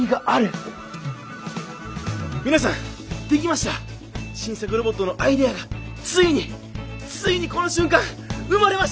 皆さんできました新作ロボットのアイデアがついについにこの瞬間生まれました！